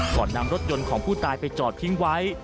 ก่อนนำรถยนต์ของผู้ตายไปจอดทิ้งไว้